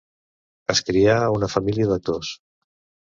Es crià en una família d'actors.